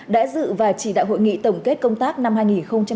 đã dự và chỉ đạo hội nghị tổng kết công tác năm hai nghìn hai mươi hai